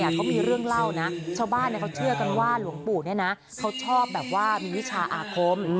เขามีเรื่องเล่านะชาวบ้านเขาเชื่อกันว่าหลวงปู่เขาชอบแบบว่ามีวิชาอาคม